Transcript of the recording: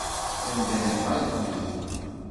Anda nebɣa ad neddu.